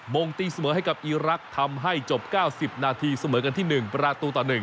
งงตีเสมอให้กับอีรักษ์ทำให้จบ๙๐นาทีเสมอกันที่๑ประตูต่อ๑